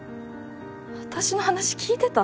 私の話聞いてた？